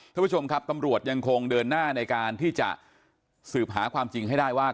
ท่านผู้ชมครับตำรวจยังคงเดินหน้าในการที่จะสืบหาความจริงให้ได้ว่า